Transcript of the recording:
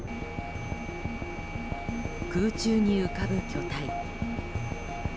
空中に浮かぶ巨体。